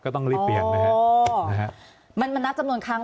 ก็ต้องรีบเปลี่ยนนะครับ